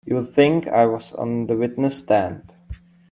You'd think I was on the witness stand!